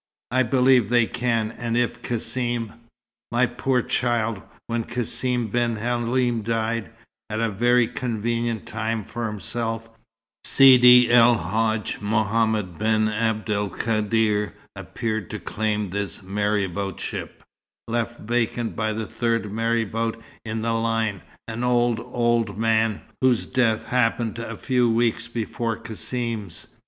"I believe they can. And if Cassim " "My poor child, when Cassim ben Halim died at a very convenient time for himself Sidi El Hadj Mohammed ben Abd el Kadr appeared to claim this maraboutship, left vacant by the third marabout in the line, an old, old man whose death happened a few weeks before Cassim's.